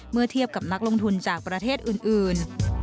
เมื่อเทียบกับนักลงทุนจากประเทศอื่น